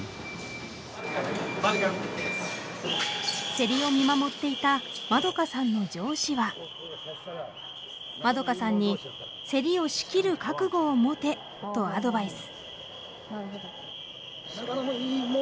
競りを見守っていたまどかさんの上司はまどかさんに競りを仕切る覚悟を持てとアドバイス。